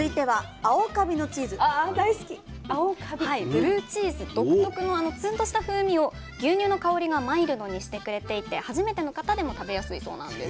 ブルーチーズ独特のあのツンとした風味を牛乳の香りがマイルドにしてくれていて初めての方でも食べやすいそうなんです。